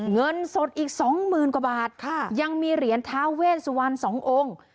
เงินสดอีก๒หมื่นกว่าบาทยังมีเหรียญทาเว่นสุวรรณ๒องค์